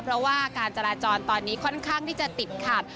เพราะว่าการจราจรตอนนี้ค่อนข้างที่จะติดขัด